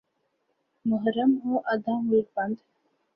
محرم ہو آدھا ملک بند۔